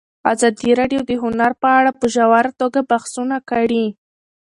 ازادي راډیو د هنر په اړه په ژوره توګه بحثونه کړي.